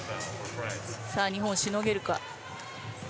さあ日本、しのげるか。